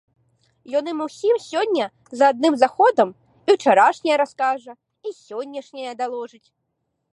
Ён ім усім сёння за адным заходам і ўчарашняе раскажа, і сённяшняе даложыць.